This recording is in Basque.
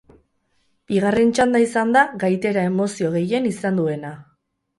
Bigarren txanda izan da gaitera emozio gehien izan duena.